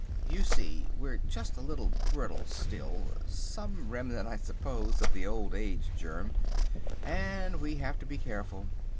You see, we're just a little brittle still—some remnant, I suppose, of the Old Age germ—and we have to be careful.